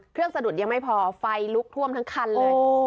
สะดุดยังไม่พอไฟลุกท่วมทั้งคันเลย